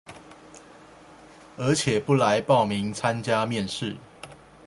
而且不來報名參加面試